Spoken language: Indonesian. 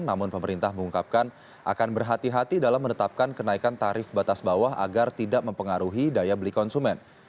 namun pemerintah mengungkapkan akan berhati hati dalam menetapkan kenaikan tarif batas bawah agar tidak mempengaruhi daya beli konsumen